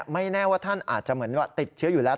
ไม่แน่ว่าท่านอาจจะเหมือนว่าติดเชื้ออยู่แล้ว